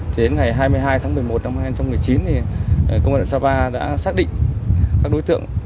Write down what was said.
đến ngày hai mươi hai tháng một mươi một năm hai nghìn một mươi chín công an huyện sapa đã xác định các đối tượng